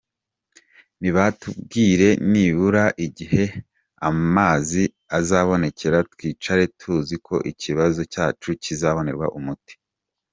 Nibatubwire nibura igihe amazi azabonekera twicare tuzi ko ikibazo cyacu kizabonerwa umuti.